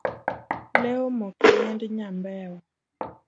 Lee omoko e yiend nyambewa.